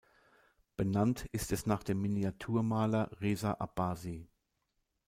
Benannt ist es nach dem Miniaturmaler Reza Abbasi.